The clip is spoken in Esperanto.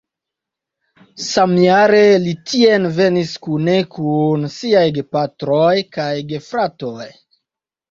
Samjare li tien venis kune kun siaj gepatroj kaj gefratoj.